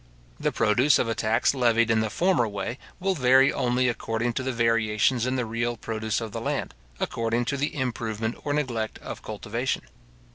The produce of a tax levied in the former way will vary only according to the variations in the real produce of the land, according to the improvement or neglect of cultivation.